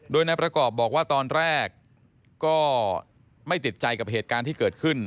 โดยนายประกอบบอกว่าตอนแรกก็ไม่ติดใจกับเหตุการณ์ที่เกิดขึ้น